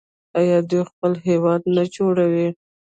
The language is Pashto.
آیا دوی خپل هیواد نه جوړوي؟